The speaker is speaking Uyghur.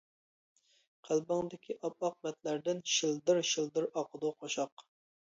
قەلبىڭدىكى ئاپئاق بەتلەردىن، شىلدىر-شىلدىر ئاقىدۇ قوشاق.